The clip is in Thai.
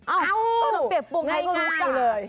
อ้าวขนมเปียกปูนใครก็รู้จักง่ายเลย